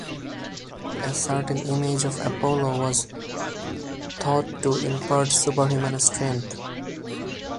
A certain image of Apollo was thought to impart superhuman strength.